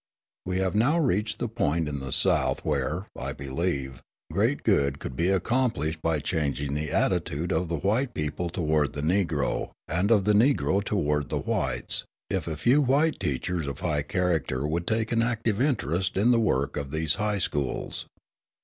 We have now reached the point in the South where, I believe, great good could be accomplished by changing the attitude of the white people toward the Negro and of the Negro toward the whites, if a few white teachers of high character would take an active interest in the work of these high schools.